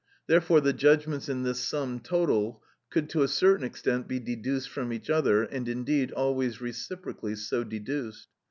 Therefore the judgments in this sum total could to a certain extent be deduced from each other, and indeed always reciprocally so deduced.